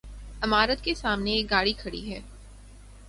عمارت کے سامنے ایک گاڑی کھڑی ہے